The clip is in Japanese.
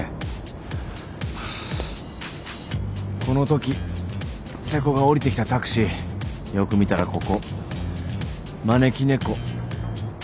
このとき瀬古が降りてきたタクシーよく見たらここ招き猫。